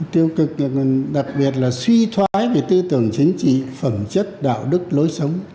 tiêu cực đặc biệt là suy thoái về tư tưởng chính trị phẩm chất đạo đức lối sống